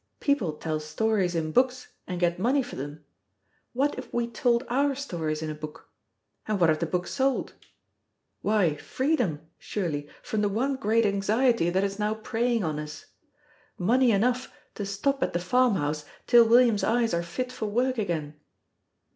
People tell stories in books and get money for them. What if we told our stories in a book? and what if the book sold? Why freedom, surely, from the one great anxiety that is now preying on us! Money enough to stop at the farmhouse till William's eyes are fit for work again!"